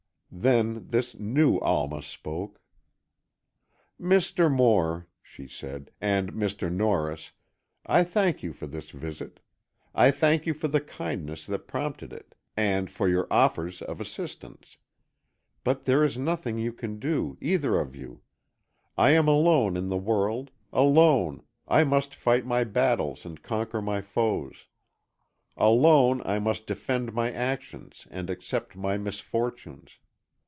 Then this new Alma spoke. "Mr. Moore," she said, "and Mr. Norris, I thank you for this visit. I thank you for the kindness that prompted it, and for your offers of assistance. But there is nothing you can do, either of you. I am alone in the world; alone, I must fight my battles and conquer my foes. Alone I must defend my actions and accept my misfortunes.